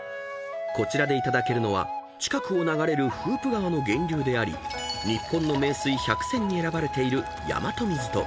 ［こちらで頂けるのは近くを流れる風布川の源流であり日本の名水百選に選ばれている日本水と］